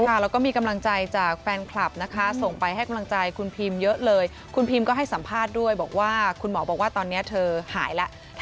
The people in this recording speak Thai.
แล้วก็มีกำลังใจจากแฟนคลับนะคะส่งไปให้กำลังใจคุณพิมเยอะเลยคุณพิมก็ให้สัมภาษณ์ด้วยบอกว่าคุณหมอบอกว่าตอนนี้เธอหายแล้ว